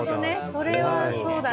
それはそうだね。